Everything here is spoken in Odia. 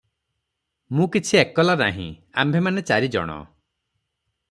ମୁଁ କିଛି ଏକଲା ନାହିଁ ; ଆମ୍ଭେମାନେ ଚାରିଜଣ ।"